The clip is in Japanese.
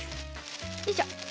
よいしょ。